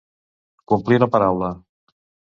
Complir la paraula.